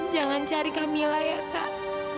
jangan cari kamila ya kak